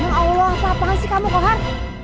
ya allah apa apa sih kamu kohar